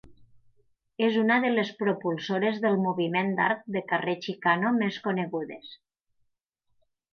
És una de les propulsores del moviment d'art de carrer xicano més conegudes.